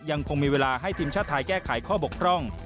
ยังคงมีเวลาให้ทีมชาติไทยแก้ไขข้อบกพร่อง